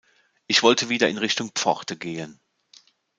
Ich wollte wieder in Richtung Pforte gehen.